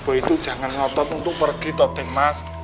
boy itu jangan ngotot untuk pergi den mas